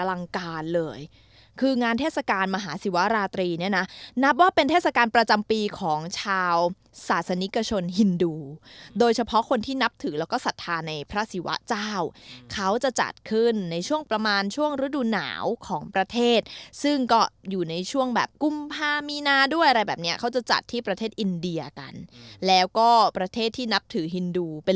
ลังการเลยคืองานเทศกาลมหาศิวราตรีเนี่ยนะนับว่าเป็นเทศกาลประจำปีของชาวศาสนิกชนฮินดูโดยเฉพาะคนที่นับถือแล้วก็ศรัทธาในพระศิวะเจ้าเขาจะจัดขึ้นในช่วงประมาณช่วงฤดูหนาวของประเทศซึ่งก็อยู่ในช่วงแบบกุมภามีนาด้วยอะไรแบบเนี้ยเขาจะจัดที่ประเทศอินเดียกันแล้วก็ประเทศที่นับถือฮินดูเป็น